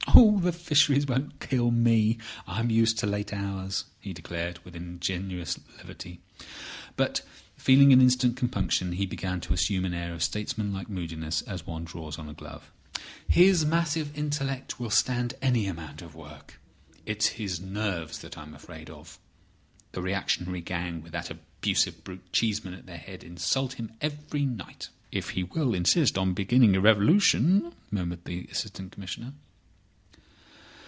"The Fisheries won't kill me. I am used to late hours," he declared, with ingenuous levity. But, feeling an instant compunction, he began to assume an air of statesman like moodiness, as one draws on a glove. "His massive intellect will stand any amount of work. It's his nerves that I am afraid of. The reactionary gang, with that abusive brute Cheeseman at their head, insult him every night." "If he will insist on beginning a revolution!" murmured the Assistant Commissioner.